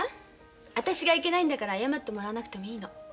私がいけないんだから謝ってもらわなくてもいいの。